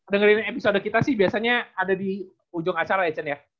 dengerin episode kita sih biasanya ada di ujung acara ya chan ya